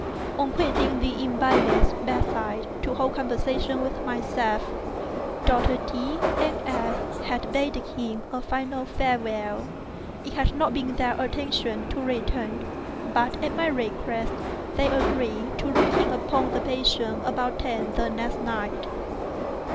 On quitting the invalid's bed side to hold conversation with myself, Doctors D—— and F—— had bidden him a final farewell. It had not been their intention to return; but, at my request, they agreed to look in upon the patient about ten the next night.